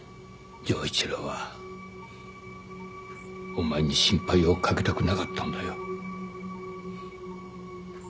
城一郎はお前に心配をかけたくなかったんだよ。